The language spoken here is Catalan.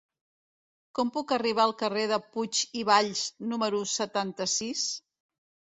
Com puc arribar al carrer de Puig i Valls número setanta-sis?